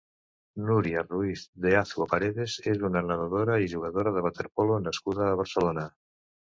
Núria Ruiz de Azua Paredes és una nedadora i jugadora de waterpolo nascuda a Barcelona.